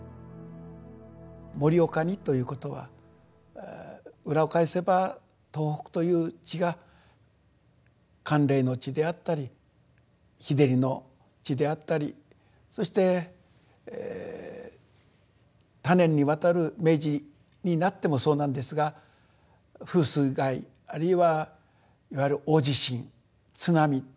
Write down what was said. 盛岡にということは裏を返せば東北という地が寒冷の地であったり日照りの地であったりそして多年にわたる明治になってもそうなんですが風水害あるいはいわゆる大地震津波。